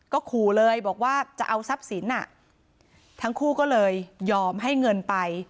ก็ขู่เลยบอกว่าจะเอาทรัพย์สินทั้งคู่ก็เลยยอมให้เงินไป